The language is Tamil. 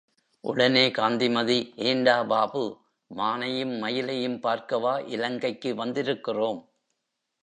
உடனே காந்திமதி, ஏண்டா பாபு, மானையும், மயிலையும் பார்க்கவா இலங்கைக்கு வந்திருக்கிறோம்.